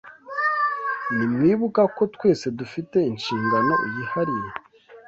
Ntimwibuka ko twese dufite inshingano yihariye?